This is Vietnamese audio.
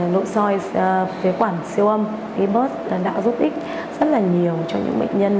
nội soi phế quản siêu âm i bus đã giúp ích rất là nhiều cho những bệnh nhân